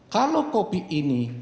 kalau kopi ini